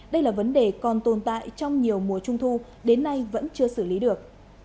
đây là vấn đề còn tồn tại trong nhiều mùa trung thu đến nay vẫn chưa xử lý được